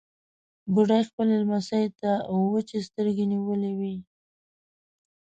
بوډۍ خپلې لمسۍ ته وچې سترګې نيولې وې.